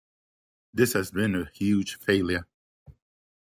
This has been a huge failure.